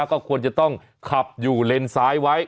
ก็ควรจะต้องขับอยู่เลนซ้ายไว้